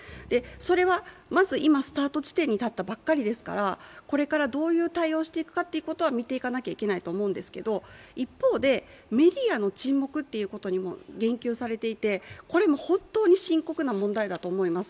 それはまず今、スタート地点に立ったばかりですからこれからどういう対応をとるかは見ていかないといけないと思うんですけど一方で、メディアの沈黙ということにも言及されていて、これも本当に深刻な問題だと思います。